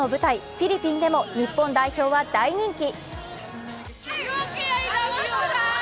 フィリピンでも日本代表は大人気。